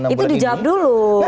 itu dijawab dulu